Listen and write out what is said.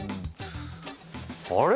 あれ？